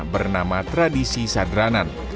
bernama tradisi syadranan